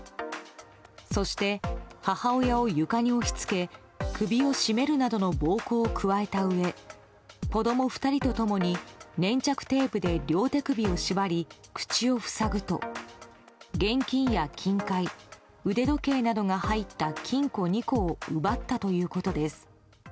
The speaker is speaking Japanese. そして、母親を床に押し付け首を絞めるなどの暴行を加えたうえ子供２人と共に粘着テープで両手首を縛り口を塞ぐと、現金や金塊腕時計などが入った金庫２個を奪ったということです。